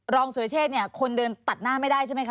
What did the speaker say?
สุรเชษเนี่ยคนเดินตัดหน้าไม่ได้ใช่ไหมคะ